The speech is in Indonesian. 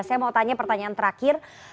saya mau tanya pertanyaan terakhir